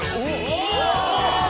お！